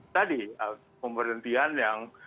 tadi pemberhentian yang